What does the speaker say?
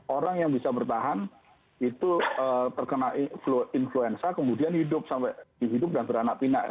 orang yang bisa bertahan itu terkena influenza kemudian hidup sampai dihidup dan beranak pindah